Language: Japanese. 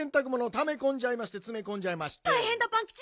たいへんだパンキチ！